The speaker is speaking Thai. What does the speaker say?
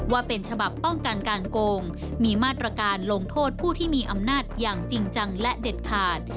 ว่าเป็นฉบับป้องกันการโกงมีมาตรการลงโทษผู้ที่มีอำนาจอย่างจริงจังและเด็ดขาด